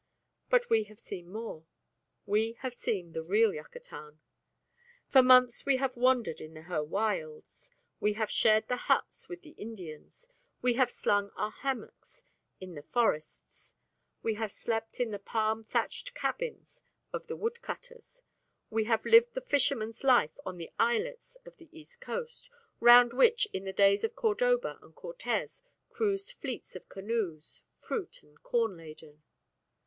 But we have seen more: we have seen the real Yucatan. For months we have wandered in her wilds. We have shared the huts with the Indians: we have slung our hammocks in the forests: we have slept in the palm thatched cabins of the woodcutters: we have lived the fisherman's life on the islets of the east coast, round which in the days of Cordoba and Cortes cruised fleets of canoes, fruit and corn laden.